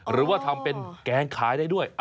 หรือว่าทำเป็นแกงขายได้ด้วย